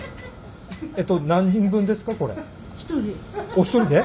お一人で？